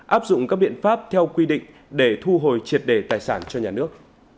áp dụng các biện pháp theo quy định để thu hồi triệt đề tài sản cho nhà nước